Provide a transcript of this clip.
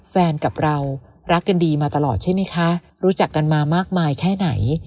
กับเรารักกันดีมาตลอดใช่ไหมคะรู้จักกันมามากมายแค่ไหน